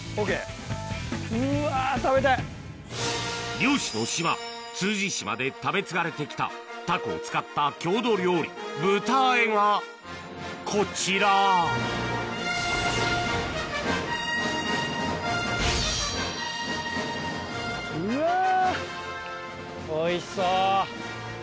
漁師の島通詞島で食べ継がれてきたタコを使った郷土料理ぶたあえがこちらうわおいしそう。